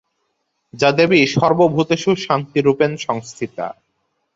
যা দেবী সর্বভূতেষু শান্তিরূপেণ সংস্থিতা।